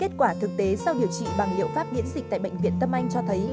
kết quả thực tế sau điều trị bằng liệu pháp miễn dịch tại bệnh viện tâm anh cho thấy